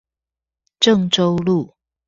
鄭州路